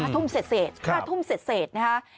ทุ่มเศษ๕ทุ่มเศษนะฮะ